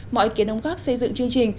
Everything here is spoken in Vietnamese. mọi kiến ống góp xây dựng chương trình